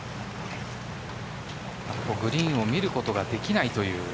グリーンを見ることができないという。